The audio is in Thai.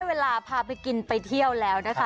เวลาพาไปกินไปเที่ยวแล้วนะคะ